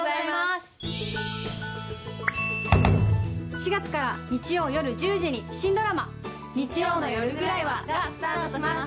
４月から日曜夜１０時に新ドラマ「日曜の夜ぐらいは」がスタートします。